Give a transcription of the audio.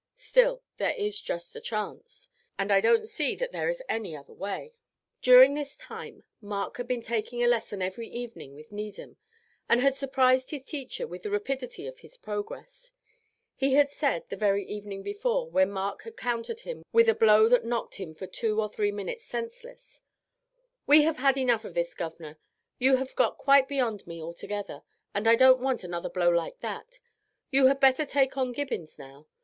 Still, there is just the chance, and I don't see that there is one any other way." During this time Mark had been taking a lesson every evening with Needham, and had surprised his teacher with the rapidity of his progress; he had said, the very evening before, when Mark had countered him with a blow that knocked him for two or three minutes senseless: "We have had enough of this, governor; you have got beyond me altogether, and I don't want another blow like that. You had better take on Gibbons now.